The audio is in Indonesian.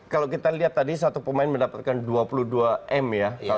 kalau kita lihat tadi satu pemain mendapatkan dua puluh dua m ya